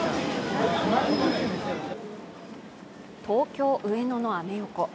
東京・上野のアメ横。